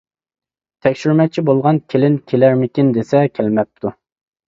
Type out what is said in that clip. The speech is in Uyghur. تەكشۈرمەكچى بولغان كېلىن كېلەرمىكىن دېسە، كەلمەپتۇ.